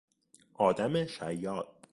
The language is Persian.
آدم شیاد